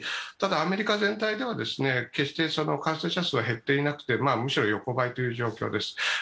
ただ、アメリカ全体では決して感染者数は減っていなくて、むしろ横ばいという状況です。